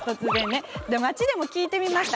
街でも聞いてみました。